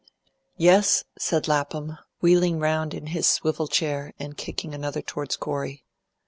"Yes," said Lapham, wheeling round in his swivel chair and kicking another towards Corey.